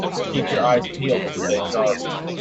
Keep your eyes peeled and stay sharp.